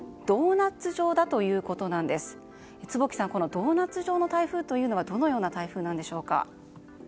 ドーナツ状の台風というのはどのような台風でしょうか？